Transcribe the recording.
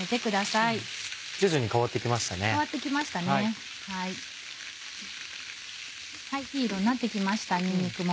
いい色になって来ましたにんにくも。